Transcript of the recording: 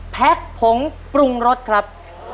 แพ็กผงปรุงรถครับ